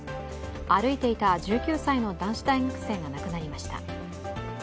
歩いていた１９歳の男子大学生が亡くなりました。